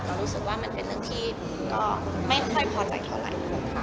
รู้สึกว่ามันเป็นเรื่องที่ก็ไม่ค่อยพอใจเท่าไหร่ค่ะ